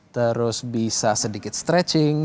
terus bisa sedikit stretching